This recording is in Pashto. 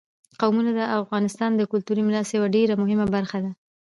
قومونه د افغانستان د کلتوري میراث یوه ډېره مهمه برخه ده.